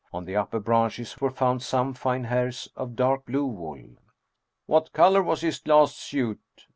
On the upper branches were found some fine hairs of dark blue wool. " What color was his last suit?